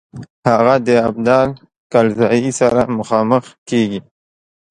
هغه د ابدال کلزايي سره مخامخ کیږي.